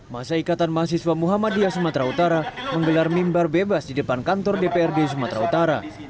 masa ikatan mahasiswa muhammadiyah sumatera utara menggelar mimbar bebas di depan kantor dprd sumatera utara